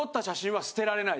はい。